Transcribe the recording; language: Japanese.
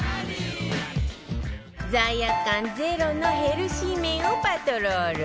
罪悪感ゼロのヘルシー麺をパトロール